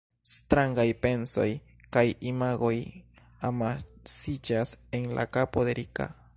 Strangaj pensoj kaj imagoj amasiĝas en la kapo de Rika.